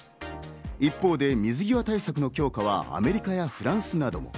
一方で水際対策の強化はアメリカやフランスなど。